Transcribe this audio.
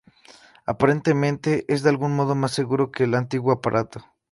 Aparentemente es de algún modo más seguro que el antiguo aparato.